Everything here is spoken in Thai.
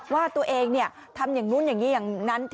ว่าตัวเองทำอย่างนู้นอย่างนี้อย่างนั้น